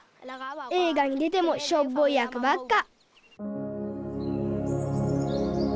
えい画に出てもしょっぼいやくばっか。